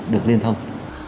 được liên thông